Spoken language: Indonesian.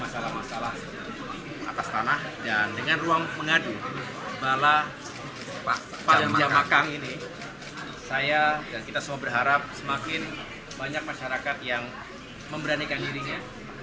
saya dan kita semua berharap semakin banyak masyarakat yang memberanikan dirinya